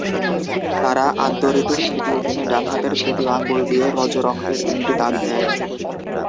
তারা আদ্যঋতুর তৃতীয় দিনে ডান হাতের তৃতীয় আঙুল দিয়ে রজোরক্তের তিনটি দাগ দেয়।